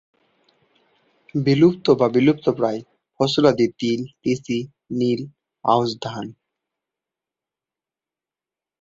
বিলুপ্ত বা বিলুপ্তপ্রায় ফসলাদি তিল, তিসি, নীল, আউশ ধান।